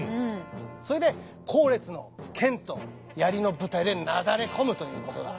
それで後列の剣と槍の部隊でなだれ込むということだ。